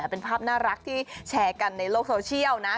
เป็นภาพน่ารักที่แชร์กันในโลกโซเชียลนะ